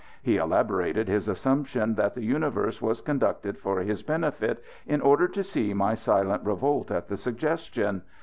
He elaborated his assumption that the universe was conducted for his benefit, in order to see my silent revolt at the suggestion.